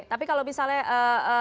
tapi kalau misalnya